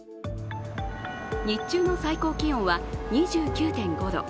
日中の最高気温は２９．５度。